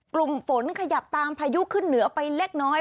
กลุ่มฝนขยับตามพายุขึ้นเหนือไปเล็กน้อย